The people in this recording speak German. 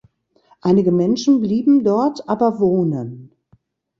Einige Menschen blieben dort aber wohnen.